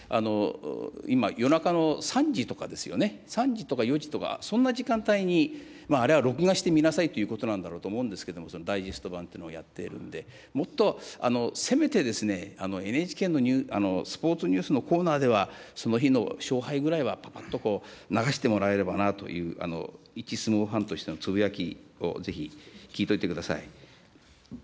今、夜中の３時とかですよね、３時とか４時とか、そんな時間帯に、あれは録画して見なさいということなんだろうと思うんですけれども、そのダイジェスト版というのをやっているんで、もっと、せめてＮＨＫのスポーツニュースのコーナーでは、その日の勝敗ぐらいは、ぱぱっと流してもらえればなという、一相撲ファンとしてのつぶやきをぜひ聞いといてください。